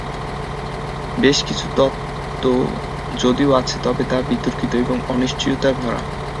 বেশ কিছু তত্ব যদিও আছে তবে তা বিতর্কিত এবং অনিশ্চিয়তায় ভরা।